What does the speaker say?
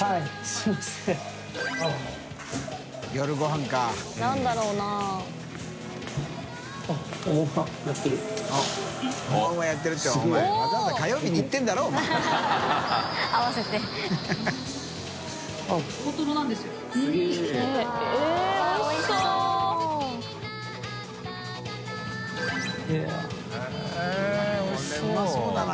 これうまそうだな。